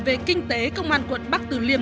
về kinh tế công an quận bắc tử liêm